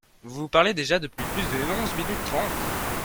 Vous parlez déjà depuis plus de onze minutes trente